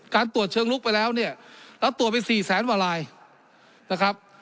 การตรวจเชิงลุกไปแล้วนี่แล้วตรวจไป๔๐๐๐มลายนะครับ